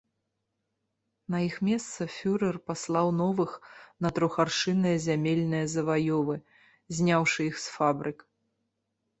На іх месца фюрэр паслаў новых на трохаршынныя зямельныя заваёвы, зняўшы іх з фабрык.